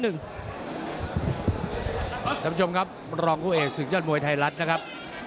ท่านผู้ชมครับรองผู้เอกศึกยอดมวยไทยรัฐนะครับ